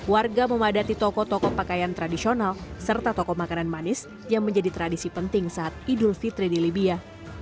warga memadati toko toko pakaian tradisional serta toko makanan manis yang menjadi tradisi penting saat idul fitri di libya